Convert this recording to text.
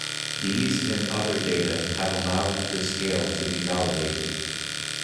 These and other data have allowed the scale to be validated.